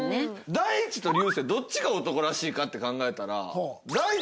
大地と流星どっちが男らしいかって考えたら。